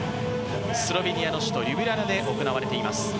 スロベニアの首都リュブリャナで行われています。